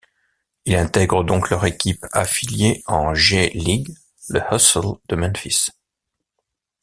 Il intègre donc leur équipe affiliée en G League, le Hustle de Memphis.